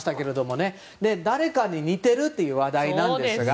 誰かに似ているという話題なんですが。